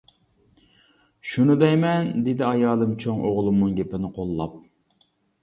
-شۇنى دەيمەن، دېدى ئايالىم چوڭ ئوغلۇمنىڭ گېپىنى قوللاپ.